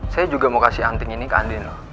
saya juga mau kasih anting ini ke andino